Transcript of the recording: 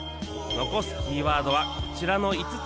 残すキーワードはこちらの５つだが